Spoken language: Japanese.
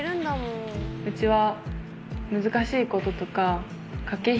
うちは。